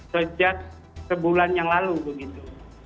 sejak sebulan yang lalu begitu